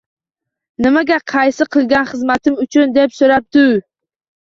– Nimaga? Qaysi qilgan xizmatim uchun? – deb so‘rabdi u.